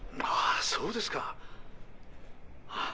ああそうですか。